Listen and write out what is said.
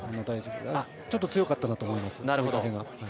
ちょっと強いんだと思います。